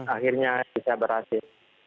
akhirnya bisa berhasil